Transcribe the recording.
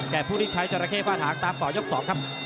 แก่ผู้ที่ใช้เจ้าระเข้ฝ่าถังตามเป่ายก๒ครับ